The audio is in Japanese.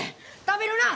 食べるな！